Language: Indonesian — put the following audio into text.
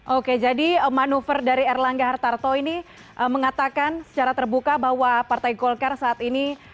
oke jadi manuver dari erlangga hartarto ini mengatakan secara terbuka bahwa partai golkar saat ini